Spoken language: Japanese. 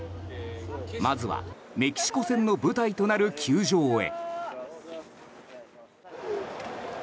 まずはメキシコ戦の舞台となる球場へ。